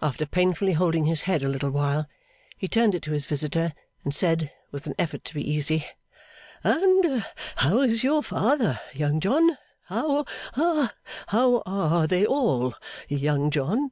After painfully holding his head a little while, he turned it to his visitor, and said, with an effort to be easy: 'And how is your father, Young John? How ha how are they all, Young John?